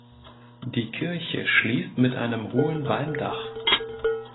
Die Kirche schließt mit einem hohen Walmdach.